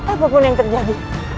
apapun yang terjadi